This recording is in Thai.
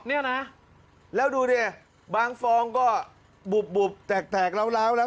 นี่อะนะแล้วดูเนี่ยบางฟองก็บุบบุบแตกแตกร้าวร้าวแล้ว